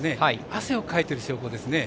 汗をかいてる証拠ですね。